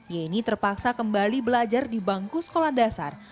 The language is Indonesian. yeni terpaksa kembali belajar di bangku sekolah dasar